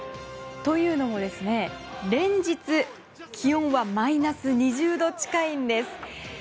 というのも連日、気温はマイナス２０度近いんです。